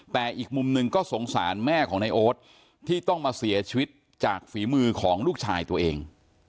แต่อีกมุมหนึ่งก็สงสารแม่ของนายโอ๊ตที่ต้องมาเสียชีวิตจากฝีมือของลูกชายตัวเอง